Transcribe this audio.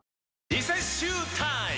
リセッシュータイム！